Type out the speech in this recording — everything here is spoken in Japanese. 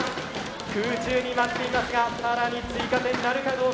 空中に舞っていますがさらに追加点なるかどうか。